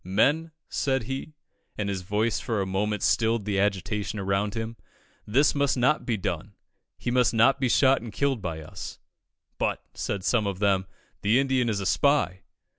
"Men," said he, and his voice for a moment stilled the agitation around him, "this must not be done he must not be shot and killed by us." "But," said some of them, "the Indian is a spy."